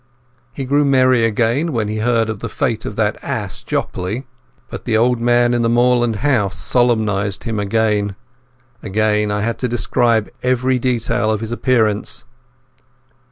He grew merry again when he heard of the fate of that ass Jopley. But the old man in the moorland house solemnized him. Again I had to describe every detail of his appearance.